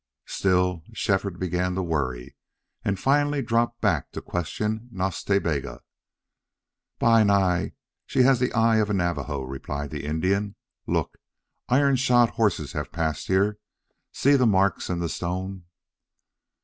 Still Shefford began to worry, and finally dropped back to question Nas Ta Bega. "Bi Nai, she has the eye of a Navajo," replied the Indian. "Look! Iron shod horses have passed here. See the marks in the stone?"